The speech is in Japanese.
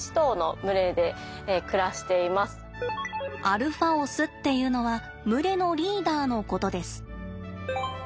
アルファオスっていうのは群れのリーダーのことです。